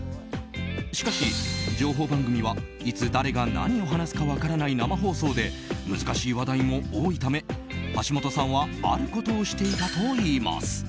しかし、情報番組はいつ誰が何を話すか分からない生放送で難しい話題も多いため橋本さんはあることをしていたといいます。